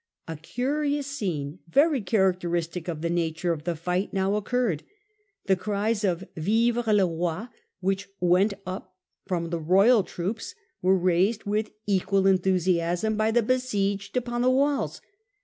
The New Fronde. 165a 56 A curious scene, very characteristic of the nature of the fight, now occurred. The cries of ' Vive le Roi !* which went up from the royal troops were raised with equal enthusiasm by the besieged upon the walls.